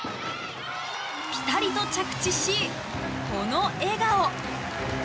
ぴたりと着地し、この笑顔。